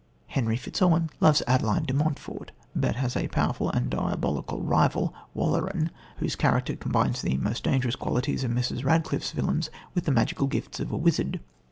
Henry Fitzowen loves Adeline de Montfort, but has a powerful and diabolical rival Walleran whose character combines the most dangerous qualities of Mrs. Radcliffe's villains with the magical gifts of a wizard.